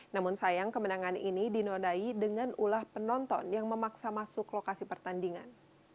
namun sayang kemenangan ini dinodai dengan ulah penonton yang memaksa masuk lokasi pertandingan